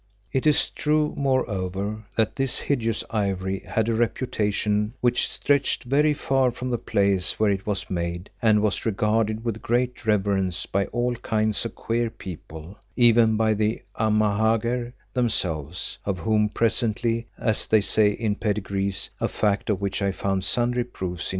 It is true, moreover, that this hideous ivory had a reputation which stretched very far from the place where it was made and was regarded with great reverence by all kinds of queer people, even by the Amahagger themselves, of whom presently, as they say in pedigrees, a fact of which I found sundry proofs.